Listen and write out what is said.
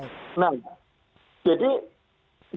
nah jadi jangan mengeluh bahwa eee